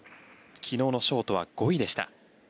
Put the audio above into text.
昨日のショートは５位でした。